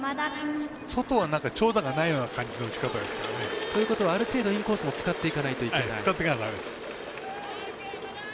外は長打がないような感じの打ち方ですからね。ということはある程度インコースも使っていかないといけない。